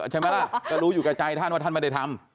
ใช่ไหมล่ะก็รู้อยู่กับใจท่านว่าท่านไม่ได้ทำ